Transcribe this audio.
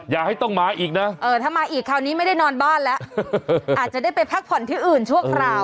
อย่าให้ต้องมาอีกนะถ้ามาอีกคราวนี้ไม่ได้นอนบ้านแล้วอาจจะได้ไปพักผ่อนที่อื่นชั่วคราว